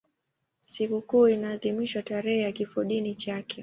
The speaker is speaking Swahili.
Sikukuu inaadhimishwa tarehe ya kifodini chake.